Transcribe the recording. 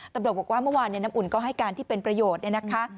ตำรวจบอกว่าเมื่อวานน้ำอุ่นก็ให้การที่เป็นประโยชน์เนี่ยนะคะ